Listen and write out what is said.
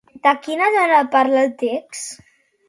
De quina dona parla el text?